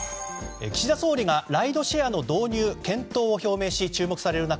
岸田総理がライドシェアの導入検討を表明し注目される中